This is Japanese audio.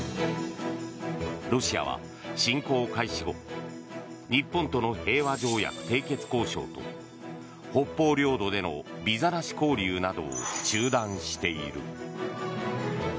ロシアは侵攻開始後日本との平和条約締結交渉と北方領土でのビザなし交流などを中断している。